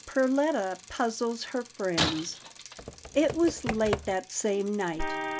CHAPTER XXIII PERLETTA PUZZLES HER FRIENDS It was late that same night.